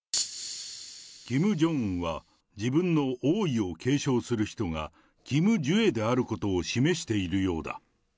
キム・ジョンウンは自分の王位を継承する人がキム・ジュエであることを示しているようだ。